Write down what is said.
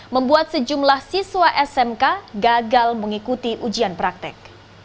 membuat sejumlah siswa smk gagal mengikuti ujian praktek